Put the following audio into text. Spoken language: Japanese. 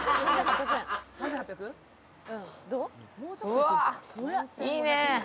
うわー、いいね。